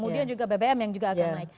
dan juga bbm yang juga akan naik